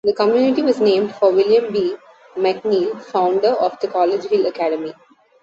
The community was named for William B. McNeil, founder of the College Hill Academy.